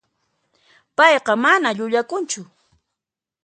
Payqa mana llullakunchu.